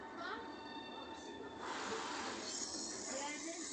Sama budova byla pravděpodobně starší a pro potřeby věřících pouze adaptována.